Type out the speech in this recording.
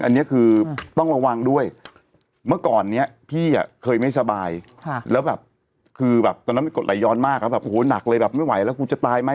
อันนี้คือต้องระวังด้วยเมื่อก่อนนี้พี่อ่ะเคยไม่สบายแล้วแบบคือแบบตอนนั้นมันกดไหลย้อนมากแล้วแบบโอ้โหหนักเลยแบบไม่ไหวแล้วกูจะตายไหม